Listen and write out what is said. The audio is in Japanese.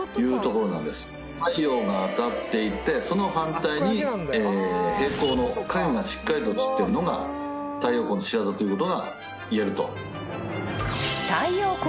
太陽が当たっていてその反対に平行の影がしっかりと映っているのが太陽光の仕業ということがいえると。